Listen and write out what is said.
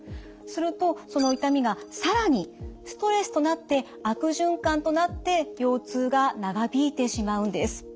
するとその痛みがさらにストレスとなって悪循環となって腰痛が長引いてしまうんです。